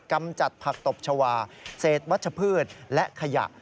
กำจัดผักตบชาวาเศษวัชพืชและขยะ